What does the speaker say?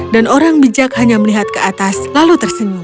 dan orang bijak hanya melihat ke atas lalu tersenyum